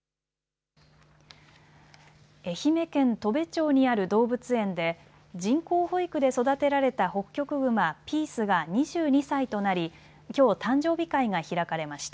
愛媛県砥部町にある動物園で人工哺育で育てられたホッキョクグマ、ピースが２２歳となりきょう誕生日会が開かれました。